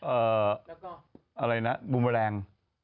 เอ่ออะไรนะบุมแรง